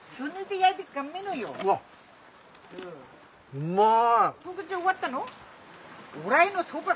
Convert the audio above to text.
うまい。